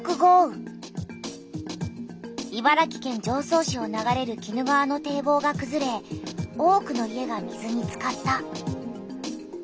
茨城県常総市を流れる鬼怒川の堤防がくずれ多くの家が水につかった。